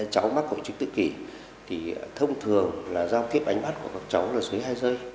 cháu mắc hội chứng tự kỳ thì thông thường là giao tiếp ánh mắt của các cháu là suối hai dây